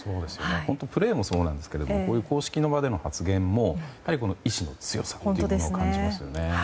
プレーもそうなんですけどこういう公式の場での発言も意志の強さというのを感じましたね。